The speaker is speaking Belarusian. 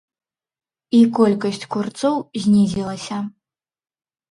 І колькасць курцоў знізілася.